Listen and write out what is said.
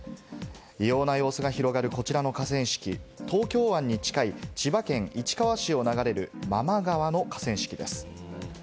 異様な様子が広がるこちらの河川敷、東京湾に近い千葉県市川市を流れる真間川の河川敷です。